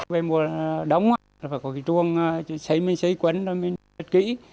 về mùa đóng có khi chuồng xấy mình xấy quấn mình xét kỹ